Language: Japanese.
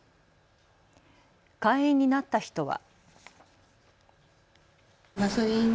会員になった人は。